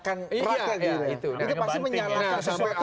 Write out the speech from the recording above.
raketnya itu pasti menyalahkan